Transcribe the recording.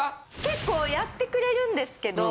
結構やってくれるんですけど。